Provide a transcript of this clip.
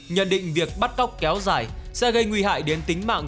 nhận định việc bắt cóc kéo dài sẽ gây nguy hại đến tính mạng